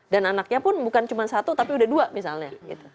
dan anaknya pun bukan cuma satu tapi sudah dua misalnya